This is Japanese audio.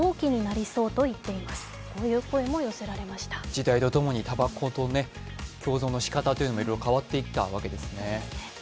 時代とともにたばこと共存のしかたというのも、いろいろ変わっていったわけですね。